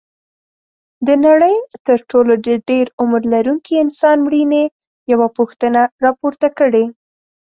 د نړۍ تر ټولو د ډېر عمر لرونکي انسان مړینې یوه پوښتنه راپورته کړې.